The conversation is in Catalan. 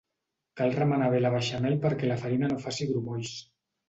Cal remenar bé la beixamel perquè la farina no faci grumolls.